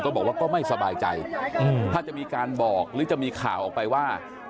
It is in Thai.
บอกว่าก็ไม่สบายใจถ้าจะมีการบอกหรือจะมีข่าวออกไปว่า